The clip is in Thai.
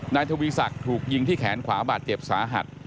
นายทวีศักดิ์ถูกยิงที่แขนขวาบาดเจ็บสาหัส